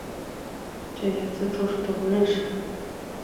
萧摹之和堂兄北兖州刺史萧源之都很看重同出兰陵萧氏的萧承之。